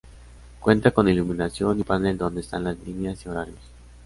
Cuenta con iluminación y un panel donde están las líneas y horarios.